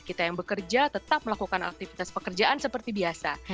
kita yang bekerja tetap melakukan aktivitas pekerjaan seperti biasa